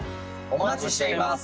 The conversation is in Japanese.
お待ちしています！